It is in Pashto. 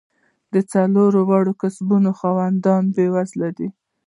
د څلور واړو کسبونو خاوندان بېوزله دي.